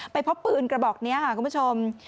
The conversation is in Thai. พบปืนกระบอกนี้ค่ะคุณผู้ชม